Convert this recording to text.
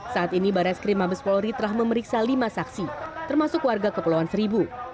saat ini baris krim mabes polri telah memeriksa lima saksi termasuk warga kepulauan seribu